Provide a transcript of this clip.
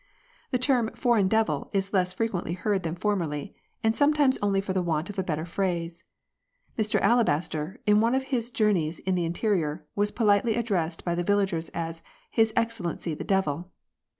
The term " foreign devil " is less frequently heard than formerly, and sometimes only for the want of a better phrase. Mr Alabaster, in one of his journeys in the interior, was politely addressed by the villagers as His Excellency the Devil.